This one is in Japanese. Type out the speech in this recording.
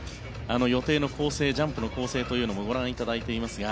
予定のジャンプの構成もご覧いただいていますが。